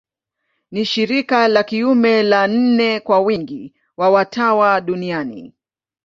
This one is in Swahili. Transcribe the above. Ni shirika la kiume la nne kwa wingi wa watawa duniani.